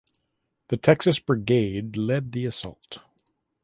The Texas Brigade led the assault.